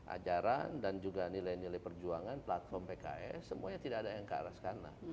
ajaran dan juga nilai nilai perjuangan platform pks semuanya tidak ada yang kearahkan